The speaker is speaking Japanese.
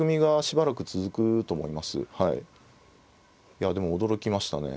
いやでも驚きましたね。